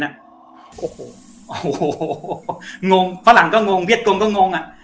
โอ้โหโหฟะหลังน์ก็งงวีดกรมน์ก็งง